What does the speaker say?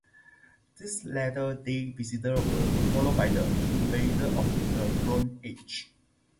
These latter-day visitors were followed by the invaders of the Bronze Age.